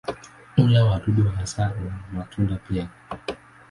Hula wadudu hasa na matunda pia.